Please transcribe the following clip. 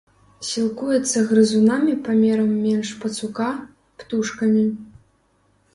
Сілкуецца грызунамі памерам менш пацука, птушкамі.